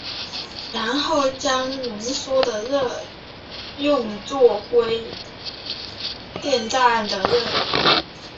然后将浓缩的热用作常规电站的热源。